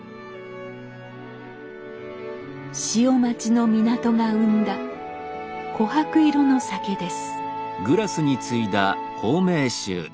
潮待ちの港が生んだこはく色の酒です。